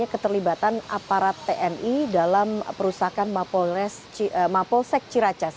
apakah terlibatan aparat tni dalam perusahaan mapolsek ciracas